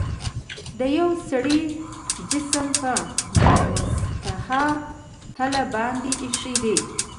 یو سړي جسم په مسطح تله باندې ایښي دي.